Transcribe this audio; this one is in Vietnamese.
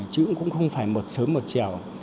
chứ cũng không phải một sớm một chiều